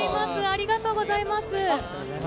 ありがとうございます。